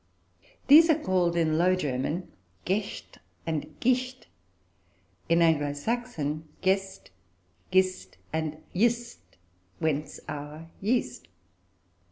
These are called, in Low German, "gäscht" and "gischt"; in Anglo Saxon, "gest," "gist," and "yst," whence our "yeast."